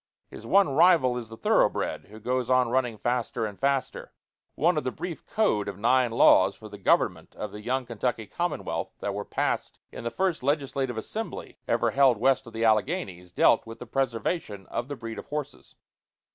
His one rival is the thoroughbred, who goes on running faster and faster. One of the brief code of nine laws for the government of the young Kentucky commonwealth that were passed in the first legislative assembly ever held west of the Alleghanies dealt with the preservation of the breed of horses.